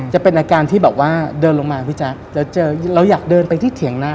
จะเป็นอาการที่แบบว่าเดินลงมาพี่แจ๊คแล้วเจอเราอยากเดินไปที่เถียงหน้า